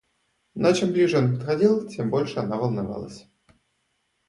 Но чем ближе он подходил, тем более она волновалась.